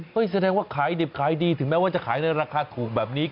แสดงว่าขายดิบขายดีถึงแม้ว่าจะขายในราคาถูกแบบนี้